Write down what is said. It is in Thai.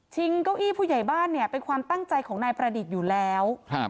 เก้าอี้ผู้ใหญ่บ้านเนี่ยเป็นความตั้งใจของนายประดิษฐ์อยู่แล้วครับ